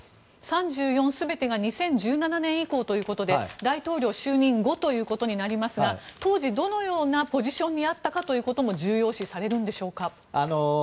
３４全てが２０１７年以降ということで大統領就任後となりますが当時、どのようなポジションにあったかということも重要視されるんでしょうか？